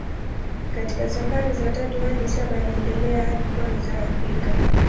Katika safari za tatu hadi saba aliendelea hadi pwani za Afrika.